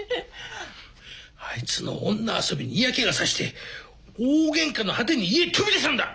あいつの女遊びに嫌気がさして大げんかの果てに家飛び出したんだ！